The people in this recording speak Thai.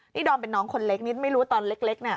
นี่ดอมเป็นน้องคนเล็กนี่ไม่รู้ว่าตอนเล็กเนี่ย